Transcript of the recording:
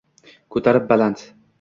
Ko’tarib baland.